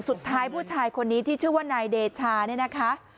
สุดท้ายผู้ชายคนนี้ที่ชื่อว่านายเดชาเนี่ยนะคะ